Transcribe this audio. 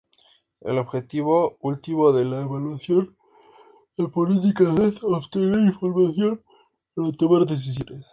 El objetivo último de la evaluación de políticas es obtener información para tomar decisiones.